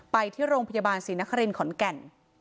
ไปที่โรงพยาบาลศรีนครินขอนแก่น